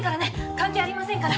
関係ありませんから！